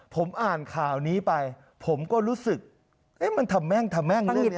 ผมอ่านข่าวนี้ไปผมก็รู้สึกเอ๊ะมันทำแม่งตังหยิดใช่ไหมคะ